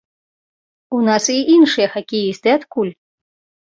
У нас і іншыя хакеісты адкуль?